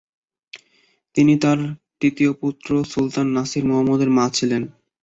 তিনি তার তৃতীয় পুত্র সুলতান নাসির মুহাম্মদের মা ছিলেন।